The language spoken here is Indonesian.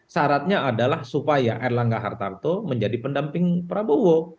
syaratnya adalah supaya erlangga hartarto menjadi pendamping prabowo